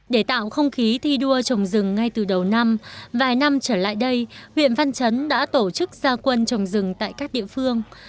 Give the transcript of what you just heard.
để tạo không khí thi đua trồng rừng ngay từ đầu năm vài năm trở lại đây huyện văn chấn đã tổ chức gia quân trồng rừng tại các địa phương